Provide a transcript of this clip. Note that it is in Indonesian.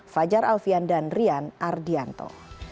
fajar alfian dan rian ardianto